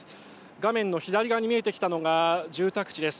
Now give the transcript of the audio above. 画面の左側に見えてきたのが住宅地です。